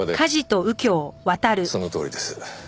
そのとおりです。